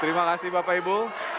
terima kasih bapak ibu